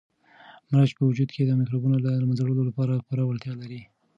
مرچ په وجود کې د مکروبونو د له منځه وړلو لپاره پوره وړتیا لري.